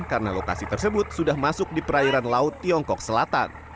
karena lokasi tersebut sudah masuk di perairan laut tiongkok selatan